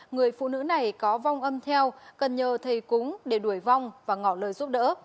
người phụ nữ này có vong âm theo cần nhờ thầy cúng để đuổi vong và ngỏ lời giúp đỡ